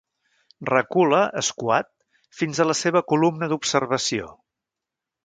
Recula, escuat, fins a la seva columna d'observació.